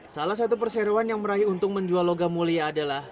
salah satu perseroan yang meraih untung menjual logam mulia adalah